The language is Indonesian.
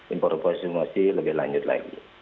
impor impor situasi lebih lanjut lagi